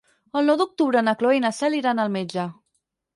El nou d'octubre na Cloè i na Cel iran al metge.